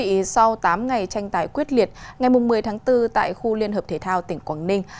thưa quý vị sau tám ngày tranh tài quyết liệt ngày một mươi tháng bốn tại khu liên hợp thể thao tỉnh quảng ninh